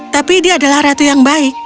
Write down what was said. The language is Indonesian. tapi dia adalah ratu yang baik